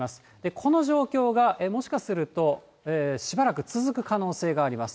この状況がもしかするとしばらく続く可能性があります。